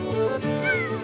ゴー！